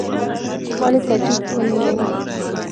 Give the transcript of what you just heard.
ولې تجدید ونوموو.